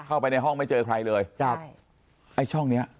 เข้าในห้องที่ไม่เจอใครเลย